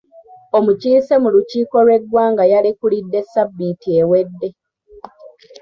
Omukiise mu lukiiko lw'eggwanga yalekulidde sabbiiti ewedde.